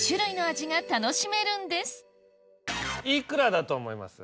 幾らだと思います？